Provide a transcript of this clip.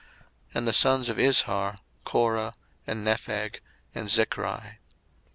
02:006:021 And the sons of Izhar; Korah, and Nepheg, and Zichri.